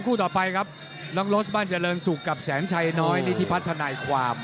สู้ต่อไปครับน้องโรสบันเจริญสุกกับแสนชัยน้อยนี่ที่พัฒนาความ